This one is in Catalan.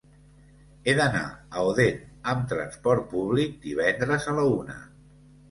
He d'anar a Odèn amb trasport públic divendres a la una.